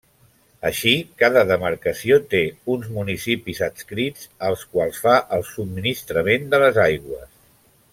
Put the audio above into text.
Així, cada demarcació té uns municipis adscrits als quals fa el subministrament de les aigües.